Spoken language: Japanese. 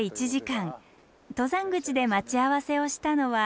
登山口で待ち合わせをしたのは。